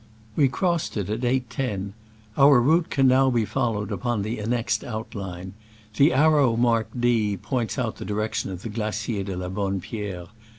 We crossed it at 8.IO. Our route can now be followed upon the annexed outline. The arrow marked D points out the direction of the Glacier de la Bonne Pierre.